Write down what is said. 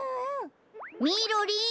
みろりん！